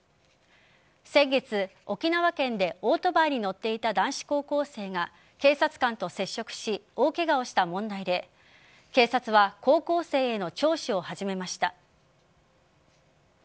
先月、沖縄県でオートバイに乗っていた男子高校生が警察官と接触し大ケガをした問題で警察は高校生への聴取を始めました。